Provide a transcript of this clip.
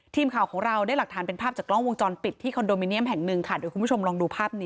ทีมข่าวของเราได้หลักฐานเป็นภาพจากกล้องวงจรปิดที่คอนโดมิเนียมแห่ง๑